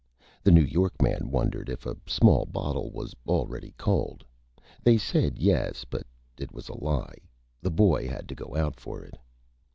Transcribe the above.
The New York Man wondered if a Small Bottle was already cold. They said Yes, but it was a Lie. The Boy had to go out for it.